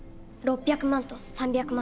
６００万と３００万